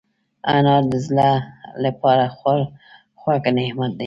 انار د زړه له پاره خوږ نعمت دی.